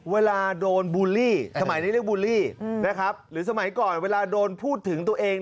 เวลาโดนบูลลี่สมัยนี้เรียกบูลลี่นะครับหรือสมัยก่อนเวลาโดนพูดถึงตัวเอง